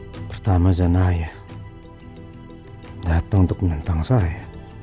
pertama janaya dateng untuk menentang saya